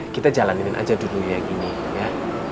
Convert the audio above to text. kita jalanin aja dulu yang ini ya